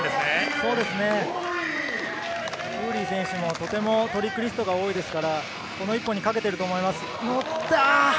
ウーリー選手も特にトリックリストが多いですから、この１本にかけていると思います。